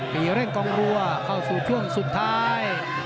ปีเร่งกองรัวเข้าสู่ช่วงสุดท้าย